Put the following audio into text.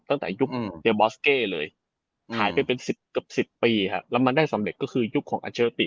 ตั้งแต่ยุคเยบอสเก้เลยหายไปเป็น๑๐เกือบ๑๐ปีครับแล้วมันได้สำเร็จก็คือยุคของอัลเชอร์ติ